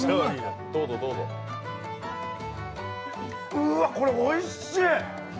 うわ、これおいしい。